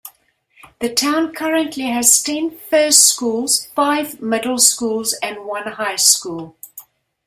The town currently has ten first schools, five middle schools and one high school.